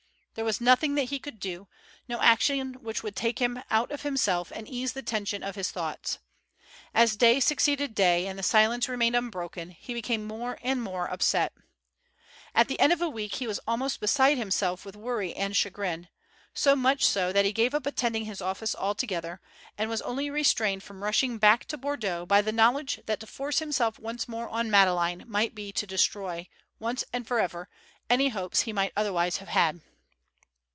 There was nothing that he could do—no action which would take him out of himself and ease the tension of his thoughts. As day succeeded day and the silence remained unbroken, he became more and more upset. At the end of a week he was almost beside himself with worry and chagrin, so much so that he gave up attending his office altogether, and was only restrained from rushing back to Bordeaux by the knowledge that to force himself once more on Madeleine might be to destroy, once and for ever, any hopes he might otherwise have had.